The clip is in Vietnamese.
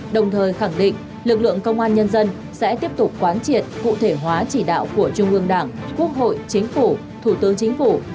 đồng thời khẳng định lực lượng công an nhân dân sẽ tiếp tục quán triệt cụ thể hóa chỉ đạo của trung ương đảng quốc hội chính phủ thủ tướng chính phủ